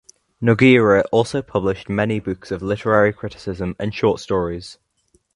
Nogueira also published many books of literary criticism and short stories.